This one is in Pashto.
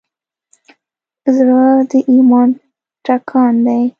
زړه د ایمان ټکان دی.